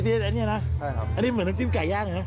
อันนี้นะอันนี้เหมือนน้ำจิ้มไก่ย่างนะ